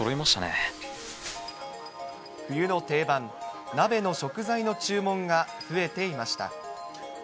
冬の定番、鍋の食材の注文が増えていました。